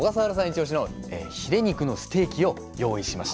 イチオシのヒレ肉のステーキを用意しました。